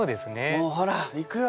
「もうほら行くよ。